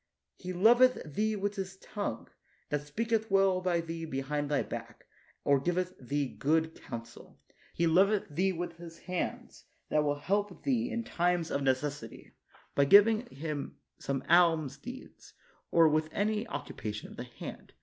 He loveth thee with his tongue, that speaketh well by thee behind thy back, or giveth thee good counsel. He loveth thee with his hands, that will help thee in 14 LATIMER time of necessity, by giving some alms deeds or with any other occupation of the hand.